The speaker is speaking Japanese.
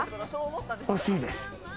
惜しいです。